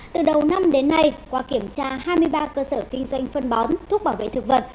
từ đầu năm đến nay qua kiểm tra hai mươi ba cơ sở kinh doanh phân bón thuốc bảo vệ thực vật